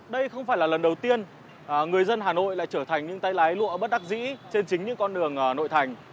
đây không phải là lần đầu tiên người dân hà nội lại trở thành những tay lái lụa bất đắc dĩ trên chính những con đường nội thành